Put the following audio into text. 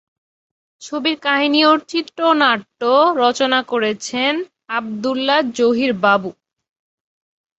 ছবির কাহিনি ও চিত্রনাট্য রচনা করেছেন আবদুল্লাহ জহির বাবু।